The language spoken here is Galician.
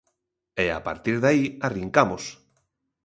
E a partir de aí arrincamos.